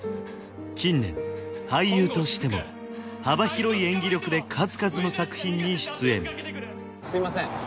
近年俳優としても幅広い演技力で数々の作品に出演すいません